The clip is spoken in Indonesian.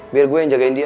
biar gue yang jagain dia